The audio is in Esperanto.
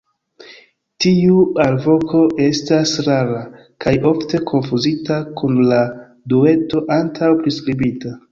Tiu alvoko estas rara, kaj ofte konfuzita kun la 'dueto' antaŭe priskribita.